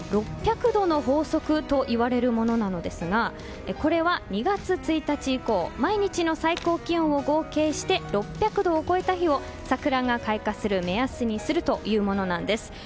６００度の法則といわれるものなのですがこれは２月１日以降毎日の最高気温を合計して６００度を超えた日を桜が開花する目安にするというものなんです。